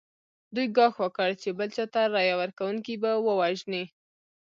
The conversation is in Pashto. دوی ګواښ وکړ چې بل چا ته رایه ورکونکي به ووژني.